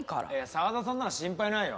澤田さんなら心配ないよ。